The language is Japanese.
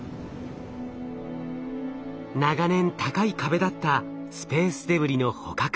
長年高い壁だったスペースデブリの捕獲。